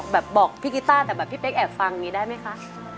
บอกพี่กีต้าแต่แบบพี่เป๊กแอบฟังอย่างนี้ได้ไหมคะ